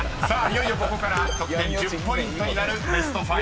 いよいよここから得点１０ポイントになるベスト５です。